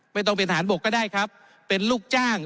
ไม่ต้องเป็นทหารบกก็ได้ครับเป็นลูกจ้าง